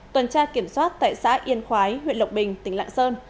tuần tra kiểm soát tại xã yên khói huyện lộc bình tỉnh lạng sơn